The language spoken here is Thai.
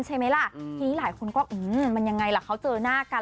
ทีนี้หลายคนว่ามันยังไงเขาเจอหน้ากัน